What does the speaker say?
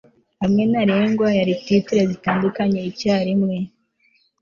hamwe ntarengwa ya titre zitandukanye icyarimwe